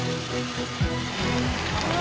うわ。